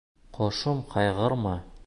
Ҡошом ҡайғырма